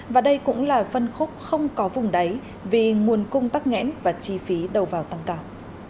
và đây cũng là phân khúc không có vùng đáy vì nguồn cung tắc nghẽn và chi phí đầu vào tăng cao